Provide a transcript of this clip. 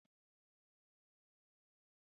曾祖父吴绍宗。